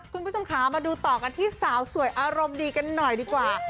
คุณผู้ชมค่ะมาดูต่อกันที่สาวสวยอารมณ์ดีกันหน่อยดีกว่า